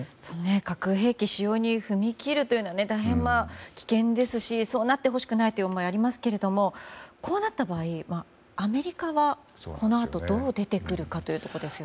核兵器使用に踏み切るというのは大変危険ですしそうなってほしくないという思いがありますけどこうなった場合アメリカはこのあと、どう出てくるかです。